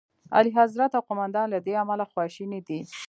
اعلیخضرت او قوماندان له دې امله خواشیني دي.